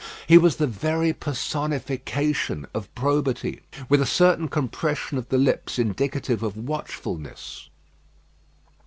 He was the very personification of probity, with a certain compression of the lips indicative of watchfulness.